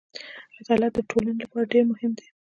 عدالت د ټولنې لپاره ډېر مهم دی.